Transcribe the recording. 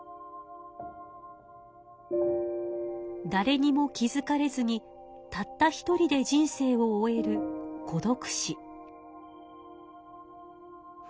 だれにも気づかれずにたった一人で人生を終える二度と。